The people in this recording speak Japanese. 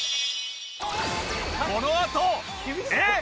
このあとえっ？